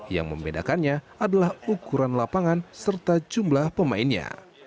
yang membedakannya adalah ukuran lapangan serta jumlah pemainnya